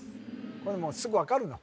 これもうすぐ分かるの？